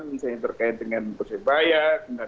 misalnya terkait dengan persis bayar